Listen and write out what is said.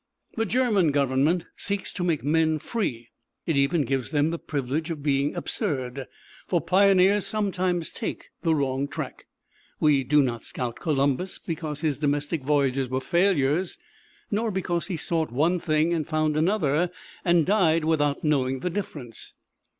The German Government seeks to make men free. It even gives them the privilege of being absurd; for pioneers sometimes take the wrong track. We do not scout Columbus because his domestic voyages were failures; nor because he sought one thing and found another, and died without knowing the difference.